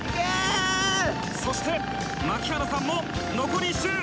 そして槙原さんも残り１周！